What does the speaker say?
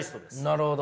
なるほど。